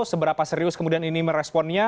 seberapa serius kemudian ini meresponnya